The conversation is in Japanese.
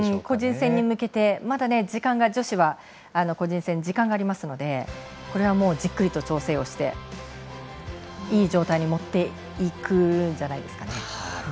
個人戦に向けて女子はまだ時間がありますのでこれは、じっくりと調整をしていい状態に持っていくんじゃないですかね。